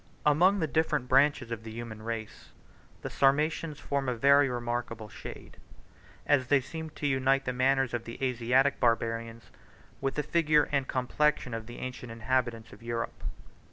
] Among the different branches of the human race, the Sarmatians form a very remarkable shade; as they seem to unite the manners of the Asiatic barbarians with the figure and complexion of the ancient inhabitants of Europe.